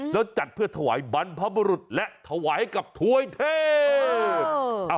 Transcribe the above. แล้วจัดเพื่อถวายบรรพบุรุษและถวายให้กับถวยเทพ